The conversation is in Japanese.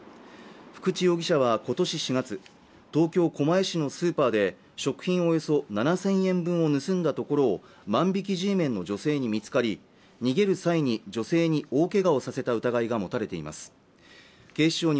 福地容疑者は今年４月東京狛江市のスーパーで食品およそ７０００円分を盗んだところを万引きＧメンの女性に見つかり逃げる際に女性に大けがをさせた疑いが持たれています